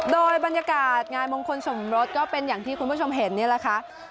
โดยบรรยากาศงานมงคลสมรสก็เป็นอย่างที่คุณผู้ชมเห็นนี่แหละค่ะ